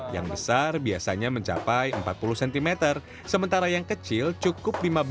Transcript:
yang besar biasanya mencapai empat puluh cm sementara yang kecil cukup lima belas cm